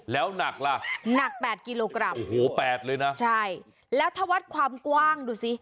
แล้วหนักล่ะหนักแปดกิโลกรัมโอ้โหแปดเลยนะใช่แล้วถ้าวัดความกว้างดูสิ